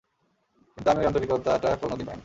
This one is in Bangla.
কিন্তু আমি ঐ আন্তরিকতাটা কোনদিন পাই নি।